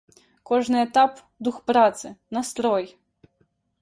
Кожны этап, дух працы, настрой.